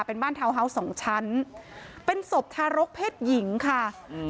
เป็นบ้านทาวน์ฮาวส์สองชั้นเป็นศพทารกเพศหญิงค่ะอืม